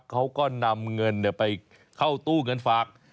เขาก็นำเงินไปเข้าตู้เงินฝาก